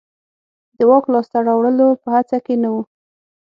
د واک لاسته راوړلو په هڅه کې نه و.